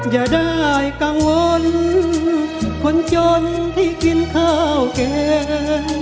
อย่าได้กังวลคนจนที่กินข้าวเกิน